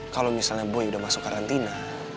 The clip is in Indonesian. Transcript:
kalau misalnya boy udah masuk karantina